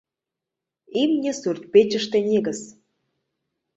Имне — сурт-печыште негыз.